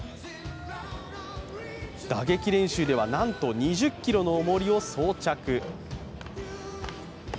打撃練習ではなんと２０ｋｇのおもりを装着。